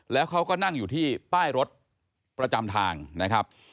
แล้วเขาก็นั่งอยู่ที่ป้ายรถประจำทางนะครับ